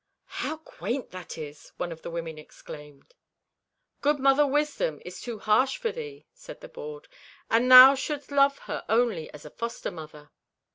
"How quaint that is!" one of the women exclaimed. "Good Mother Wisdom is too harsh for thee," said the board, "and thou shouldst love her only as a foster mother."